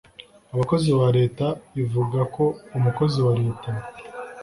Abakozi ba Leta ivuga ko Umukozi wa Leta